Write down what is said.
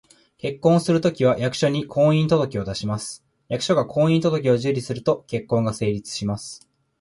結婚をするときは、役所に「婚姻届」を出します。役所が「婚姻届」を受理すると、結婚が成立します